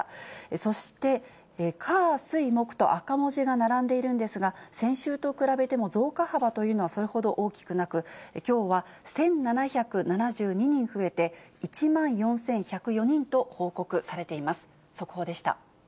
そして、火、水、木と赤文字が並んでいるんですが、先週と比べても増加幅というのはそれほど大きくなく、きょうは１７７２人増えて、１万４１０４人と報告されています。